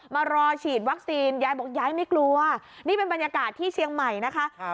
มารอฉีดวัคซีนยายบอกยายไม่กลัวนี่เป็นบรรยากาศที่เชียงใหม่นะคะ